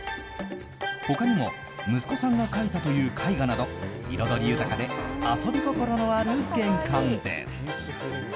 他にも息子さんが描いたという絵画など彩り豊かで遊び心のある玄関です。